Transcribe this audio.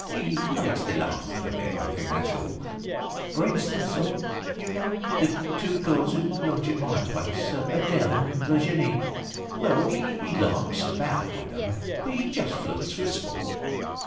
He likes to laugh a bit, I think, that's all. For instance, you know the two girls who lodge at my place, Adele and Virginie. Well, he larks about with 'em, but he just flirts for sport."